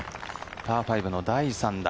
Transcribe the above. パー５の第３打。